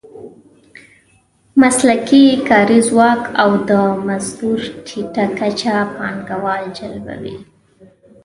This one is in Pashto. مسلکي کاري ځواک او د مزدور ټیټه کچه پانګوال جلبوي.